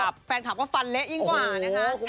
แฟนคลับก็ฟันเล็กอีกกว่าเนี่ยฮะ